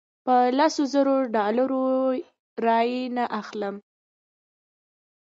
په سلو زرو ډالرو رایې نه اخلم.